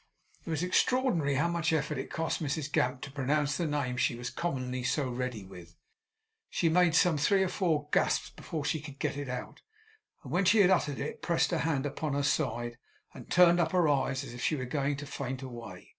It was extraordinary how much effort it cost Mrs Gamp to pronounce the name she was commonly so ready with. She made some three or four gasps before she could get it out; and, when she had uttered it, pressed her hand upon her side, and turned up her eyes, as if she were going to faint away.